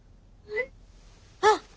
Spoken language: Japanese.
あっ！